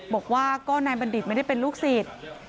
บอกว่าก็นายบัณฑิตไม่ได้เป็นลูกศิษย์